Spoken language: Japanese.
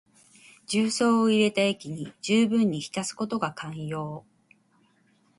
重曹を入れた液にじゅうぶんに浸すことが肝要。